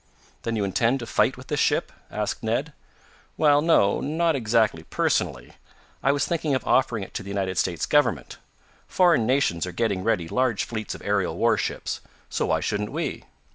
"Then you intend to fight with this ship?" asked Ned. "Well, no; not exactly personally. I was thinking of offering it to the United States Government. Foreign nations are getting ready large fleets of aerial warships, so why shouldn't we?